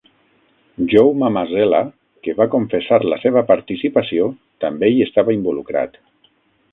Joe Mamasela, que va confessar la seva participació, també hi estava involucrat.